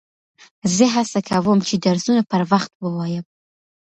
زه هڅه کوم، چي درسونه پر وخت ووایم.